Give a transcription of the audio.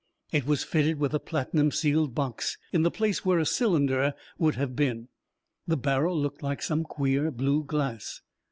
It was fitted with a platinum sealed box in the place where a cylinder would have been. The barrel looked like some queer, blue glass.